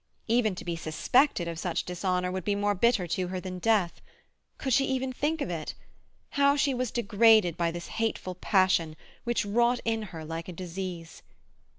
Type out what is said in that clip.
Even to be suspected of such dishonour would be more bitter to her than death. Could she even think of it? How she was degraded by this hateful passion, which wrought in her like a disease!